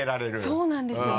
そうなんですよ